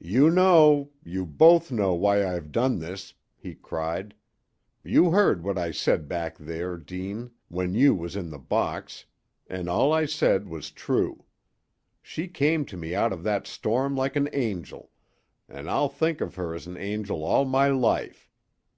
"You know you both know why I've done this!" he cried, "You heard what I said back there, Deane when you was in the box; an' all I said was true. She came to me out of that storm like an angel an' I'll think of her as an angel all my life.